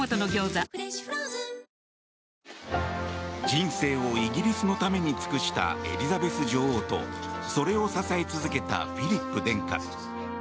人生をイギリスのために尽くしたエリザベス女王とそれを支え続けたフィリップ殿下。